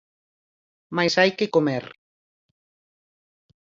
Mais hai que comer.